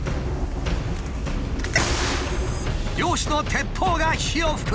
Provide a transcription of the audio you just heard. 猟師の鉄砲が火を噴く！